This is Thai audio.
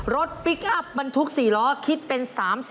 รถพลิกอัพบรรทุก๔ล้อคิดเป็น๓๐